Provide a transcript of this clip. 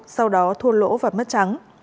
sau đó thua lỗ và mất trắng